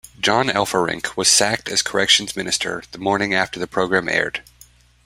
John Elferink was sacked as Corrections Minister the morning after the program aired.